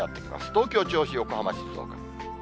東京、銚子、横浜、静岡。